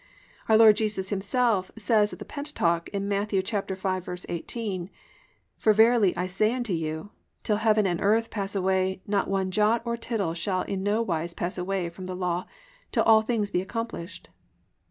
Our Lord Jesus Himself says of the Pentateuch in Matt. 5:18: +"For verily I say unto you, till heaven and earth pass away, one jot or one tittle shall in no wise pass away from the law till all things be accomplished."